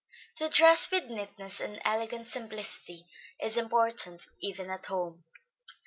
To dress with neatness, and elegant simplicity is important, even at home.